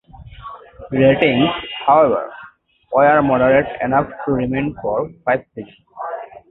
Ratings, however, were moderate enough to remain for five seasons.